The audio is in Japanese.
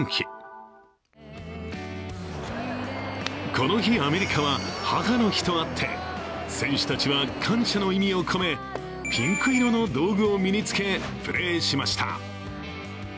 この日、アメリカは母の日とあって選手たちは感謝の意味を込め、ピンク色の道具を身に着けプレーしました。